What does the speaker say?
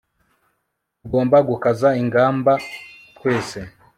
tugomba gukaza ingamba twese